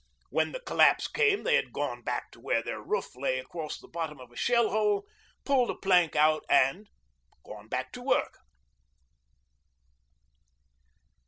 When the collapse came they had gone back to where their roof lay across the bottom of a shell hole, pulled a plank out, and gone back to work.